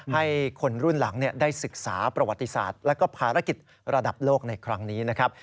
ให้คนรุ่นหลังได้ศึกษาประวัติศาสตร์และภารกิจระดับโลกในครั้งนี้นะครับ